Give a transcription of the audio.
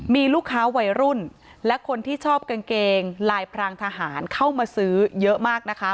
มีลูกค้าวัยรุ่นและคนที่ชอบกางเกงลายพรางทหารเข้ามาซื้อเยอะมากนะคะ